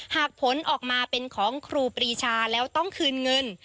ผลออกมาเป็นของครูปรีชาแล้วต้องคืนเงิน